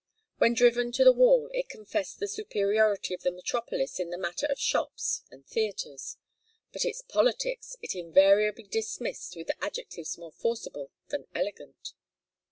When driven to the wall it confessed the superiority of the metropolis in the matter of shops and theatres; but its politics it invariably dismissed with adjectives more forcible than elegant.